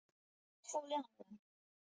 傅亮人。